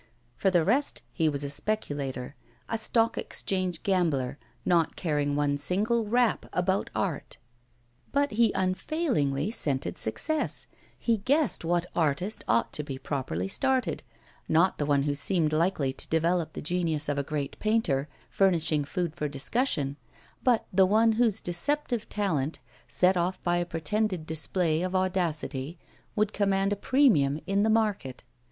For the rest, he was a speculator, a Stock Exchange gambler, not caring one single rap about art. But he unfailingly scented success, he guessed what artist ought to be properly started, not the one who seemed likely to develop the genius of a great painter, furnishing food for discussion, but the one whose deceptive talent, set off by a pretended display of audacity, would command a premium in the market.